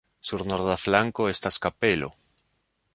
Sur norda flanko estas kapelo.